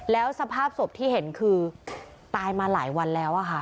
แล้วสภาพศพที่เห็นคือตายมาหลายวันแล้วค่ะ